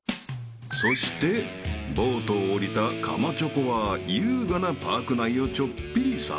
［そしてボートを降りたかまチョコは優雅なパーク内をちょっぴり散歩］